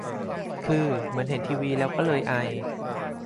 คือเหมือนเห็นทีวีแล้วก็เลยไอ